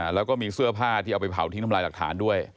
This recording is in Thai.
แล้วก็มีเสื้อผ้าที่เอาไปเผาทิ้งทำลายหลักฐานด้วย